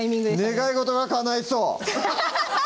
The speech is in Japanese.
願い事がかないそう！